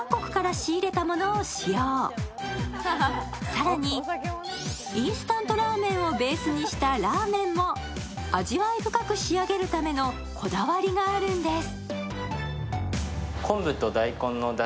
更に、インスタントラーメンをベースにしたラーメンも味わい深く仕上げるためのこだわりがあるんです。